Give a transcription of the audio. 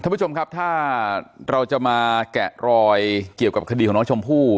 ท่านผู้ชมครับถ้าเราจะมาแกะรอยเกี่ยวกับคดีของน้องชมพู่